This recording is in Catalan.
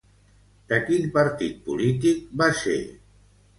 De quin partit polític va ser?